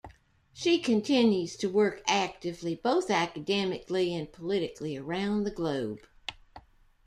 She continues to work actively both academically and politically around the globe.